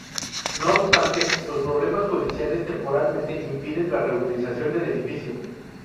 No obstante, los problemas judiciales temporalmente impiden la reutilización del edificio.